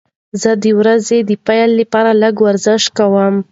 زه د ورځې د پیل لپاره لږه ورزش کوم.